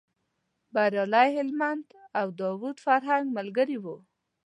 بریالی هلمند او داود فرهنګ ملګري و.